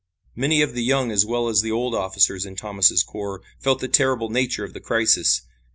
Many of the young as well as the old officers in Thomas' corps felt the terrible nature of the crisis.